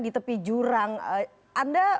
di tepi jurang anda